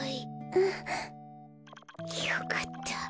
うん。よかった。